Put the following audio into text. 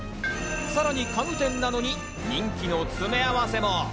さらに家具店なのに人気の詰め合わせも。